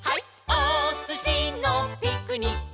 おすしのピクニック」